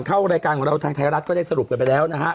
เข้ารายการทางไทยรัฐเราได้สรุปกันไปแล้วนะครับ